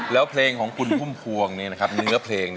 แล้วเพลงของคุณพุ่มพวงเนื้อเพลง